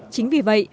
chính vì vậy